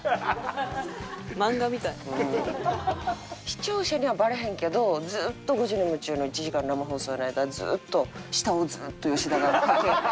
視聴者にはバレへんけどずっと『５時に夢中！』の１時間生放送の間ずっと下をずっと吉田が。